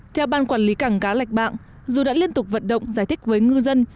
theo ban quản lý cảng cá lạch bạng dù đã liên tục vận động giải thích với ngư dân